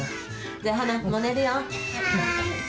じゃあ、ハナ、もう寝るよ。